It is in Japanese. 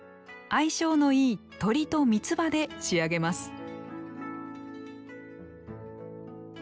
相性のいい鶏とみつばで仕上げます